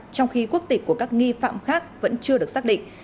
trong khi quốc tịch của các nghi phạm khác vẫn chưa được xác định